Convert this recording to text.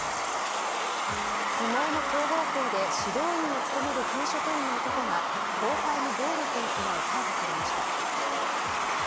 相撲の強豪校で指導員を務める県職員の男が後輩に暴力を加え逮捕されました。